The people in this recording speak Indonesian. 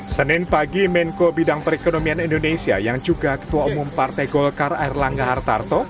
senin pagi menko bidang perekonomian indonesia yang juga ketua umum partai golkar air langga hartarto